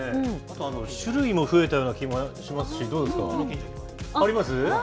あと、種類も増えたような気もしますし、どうですか？